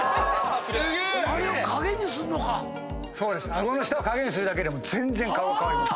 顎の下を影にするだけでも全然顔が変わります。